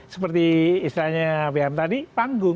seperti istilahnya bm tadi panggung